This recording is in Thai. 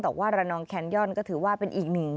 แต่ว่าระนองแคนย่อนก็ถือว่าเป็นอีกหนึ่ง